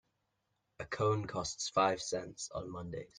A cone costs five cents on Mondays.